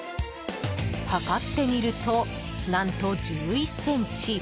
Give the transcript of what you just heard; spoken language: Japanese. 測ってみると、何と１１ｃｍ！